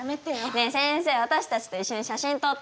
ねえ先生私たちと一緒に写真撮ってよ。